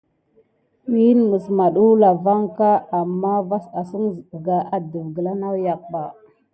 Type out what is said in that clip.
Wine mis madulanki mifia vaŋ ka amà vas asine sika à léklole ɓa.